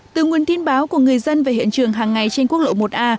từ nguồn tin báo của người dân về hiện trường hàng ngày trên quốc lộ một a